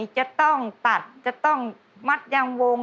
จะต้องตัดจะต้องมัดยางวง